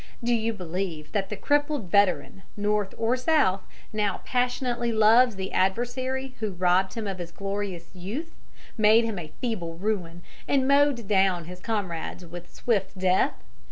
Do you believe that the crippled veteran, North or South, now passionately loves the adversary who robbed him of his glorious youth, made him a feeble ruin, and mowed down his comrades with swift death?